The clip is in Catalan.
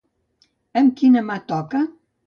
Amb quina mà toca?